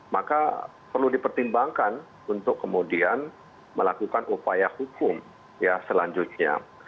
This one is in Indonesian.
maka perlu dipertimbangkan untuk kemudian melakukan upaya hukum ya selanjutnya